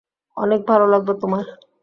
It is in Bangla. অনেক ভালো লাগবে তোমার।